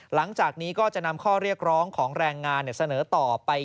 หลังจากนี้ก็จะนำข้อเรียกร้องของแรงงานเสนอต่อไป